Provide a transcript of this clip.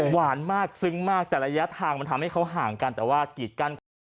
หวานมากซึ้งมากแต่ระยะทางมันทำให้เขาห่างกันแต่ว่ากีดกั้นกัน